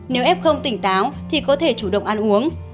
nếu f không tỉnh táo thì có thể chủ động ăn uống